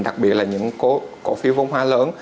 đặc biệt là những cổ phiếu bốn hóa lớn